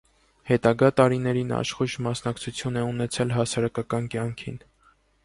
Հետագա տարիներին աշխույժ մասնակցություն է ունեցել հասարակական կյանքին։